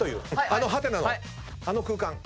ハテナのあの空間。